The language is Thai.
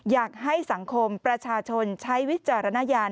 อยากให้สังคมประชาชนใช้วิจารณญาณ